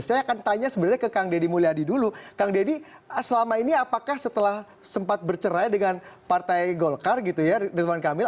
saya akan tanya sebenarnya ke kang deddy mulyadi dulu kang deddy selama ini apakah setelah sempat bercerai dengan partai golkar gitu ya ridwan kamil